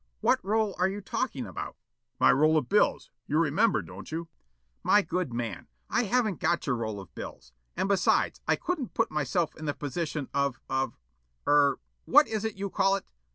"What roll are you talking about?" "My roll of bills, you remember, don't you?" "My good man, I haven't got your roll of bills. And besides I couldn't put myself in the position of of er what is it you call it?